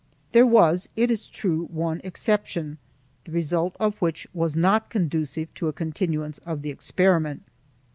There was, it is true, one exception, the result of which was not conducive to a continuance of the experiment.